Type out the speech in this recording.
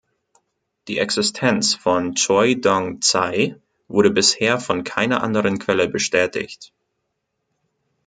Die Existenz von "Choi Dong Tsai" wurde bisher von keiner anderen Quelle bestätigt.